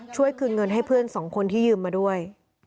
คืนเงินให้เพื่อนสองคนที่ยืมมาด้วย